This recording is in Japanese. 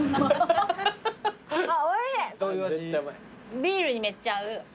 ビールにめっちゃ合う。